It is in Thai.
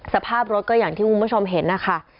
สภาพรถก็อย่างที่คุณผู้ชมเห็นนะคะ